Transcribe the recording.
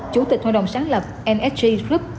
chủ tịch hội đồng sáng lập nsg group